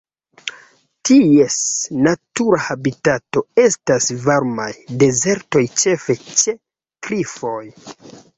Ties natura habitato estas varmaj dezertoj ĉefe ĉe klifoj.